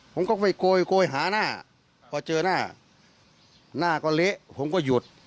ผมก็ไปโกยโกยหาหน้าพอเจอหน้าหน้าก็เละผมก็หยุด